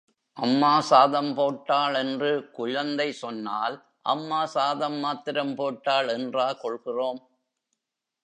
அம்மா சாதம் போட்டாள் என்று குழந்தை சொன்னால், அம்மா சாதம் மாத்திரம் போட்டாள் என்றா கொள்கிறோம்?